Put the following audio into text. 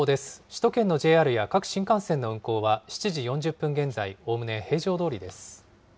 首都圏のＪＲや各新幹線の運行は、７時４０分現在、おおむね平常どおりです。